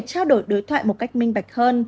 trao đổi đối thoại một cách minh bạch hơn